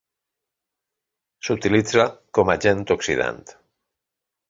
S'utilitza com a agent oxidant.